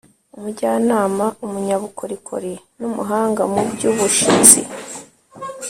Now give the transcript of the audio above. umujyanama, umunyabukorikori n’umuhanga mu by’ubushitsi.